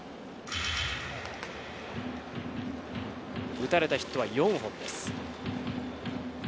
打たれたヒットは４本です。